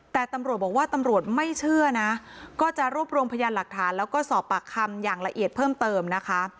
แต่ตำรวจบอกว่าตำรวจไม่เชื่อนะก็จะรวบรวมพยานหลักฐานแล้วก็สอบปากคำอย่างละเอียดเพิ่มเติมนะคะ